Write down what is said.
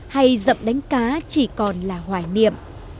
hay dậm đánh cá chỉ còn là hoài niệm